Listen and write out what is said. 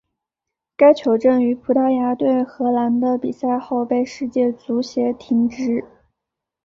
该球证于葡萄牙对荷兰的比赛后被世界足协停职。